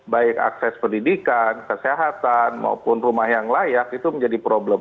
baik akses pendidikan kesehatan maupun rumah yang layak itu menjadi problem